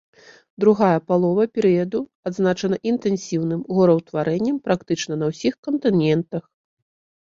Другая палова перыяду адзначана інтэнсіўным гораўтварэннем практычна на ўсіх кантынентах.